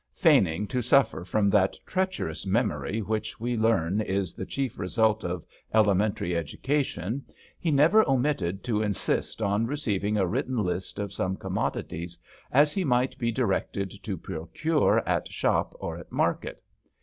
Feigning to suffer from that treacherous memory which we learn is the chief result of elementary education, he never omitted to insist on receiving a written list of such commodities as he might be directed to procure at shop or 63 HAMPSHIRE VIGNETTES at market.